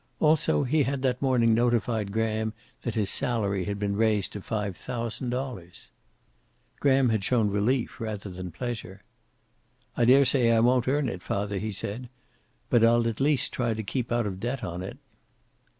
Also, he had that morning notified Graham that his salary had been raised to five thousand dollars. Graham had shown relief rather than pleasure. "I daresay I won't earn it, Father," he had said. "But I'll at east try to keep out of debt on it."